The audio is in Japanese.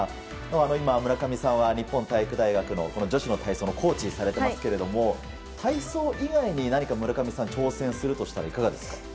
今、村上さんは日本体育大学の女子の体操のコーチをされてますけど体操以外に何か村上さんが挑戦するとしたらいかがですか？